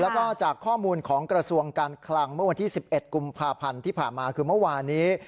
แล้วก็จากข้อมูลของกระทรวงการคลังเมื่อวันที่๑๑กุมภาพันธ์ที่ผ่านมาคือเมื่อวานี้